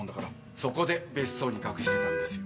そこで別荘に隠してたんですよ。